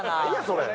それ。